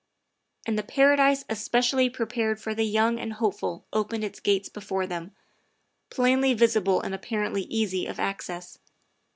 And the paradise especially prepared for the young and hopeful opened its gates before them, plainly visible and apparently easy of access.